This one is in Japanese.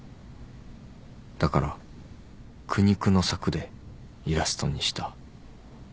だから苦肉の策でイラストにした。